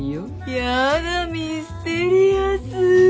やだミステリアス。